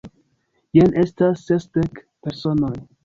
Jen estas sesdek personoj!